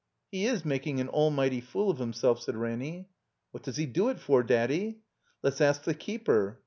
"He is making an almighty fool of himself," said Ranny. " What does he do it for, Daddy?'' ''Let's ask the keeper."